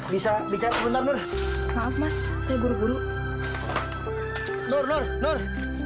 bisa bisa sebentar maaf mas saya buruk buru nur nur nur